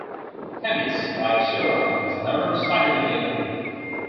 Themis, like Chiron, was never sighted again.